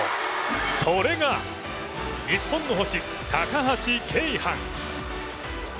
それが、日本の星高橋慶帆。